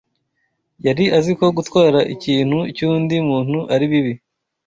Yari azi ko gutwara ikintu cy’undi muntu ari bibi